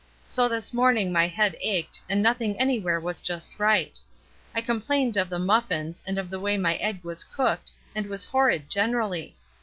So this morning my head ached, and nothing anywhere was just right, I com plained of the muffins, and of the way my egg was cooked, and was horrid generally.